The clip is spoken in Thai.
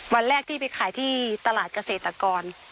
วันแรกที่ไปขายที่ตลาดเกษตรกร